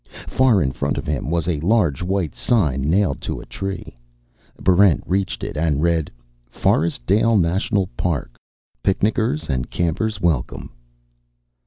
Far in front of him was a large white sign nailed to a tree. Barrent reached it, and read: FORESTDALE NATIONAL PARK. PICNICKERS AND CAMPERS WELCOME.